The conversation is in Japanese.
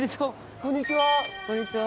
こんにちは。